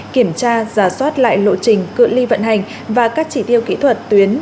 kiểm tra giả soát lại lộ trình cưỡi ly vận hành và các chỉ tiêu kỹ thuật tuyến